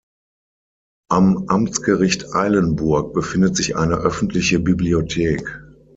Am Amtsgericht Eilenburg befindet sich eine öffentliche Bibliothek.